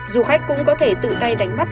du khách cũng có thể tự tay đánh bắt